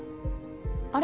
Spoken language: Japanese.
あれ？